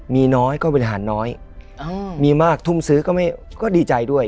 มีน้อยก็บริหารน้อยมีมากทุ่มซื้อก็ดีใจด้วย